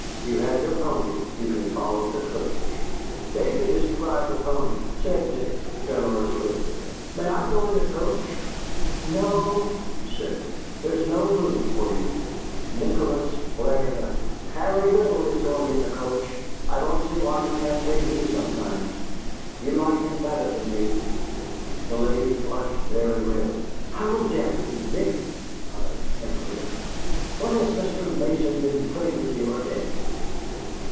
"You have your pony. You can follow the coach." "David is to ride the pony," said Nick, generously. "May I go in the coach?" "No," she said, "there is no room for you." Nicholas flared up. "Harry Riddle is going in the coach. I don't see why you can't take me sometimes. You like him better than me." The lady flushed very red. "How dare you, Nick!" she cried angrily. "What has Mr. Mason been putting into your head?"